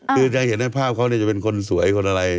คือจะเห็นในภาพเขาจะเป็นคนสวยคนอะไร